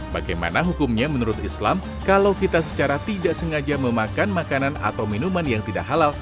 bagaimana hukumnya menurut islam kalau kita secara tidak sengaja memakan makanan atau minuman yang tidak halal